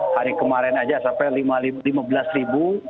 hari kemarin saja sampai lima belas dua ratus